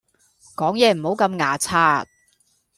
講嘢唔好咁牙擦